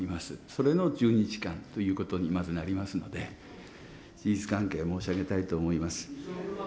それの１２日間ということにまずなりますので、事実関係を申し上げたいと思います。